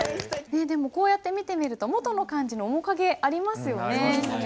こうやって見てみると元の漢字の面影ありますよね。